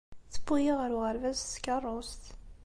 Tewwi-iyi ɣer uɣerbaz s tkeṛṛust.